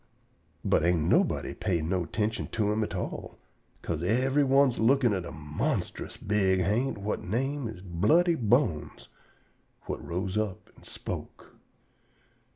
But nobody ain't pay no attintion to him at all, 'ca'se yevery one lookin' at a monstrous big ha'nt whut name Bloody Bones, whut rose up an' spoke.